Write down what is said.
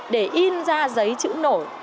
để in ra giấy chữ nổi